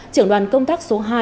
trưởng đoàn công tác số hai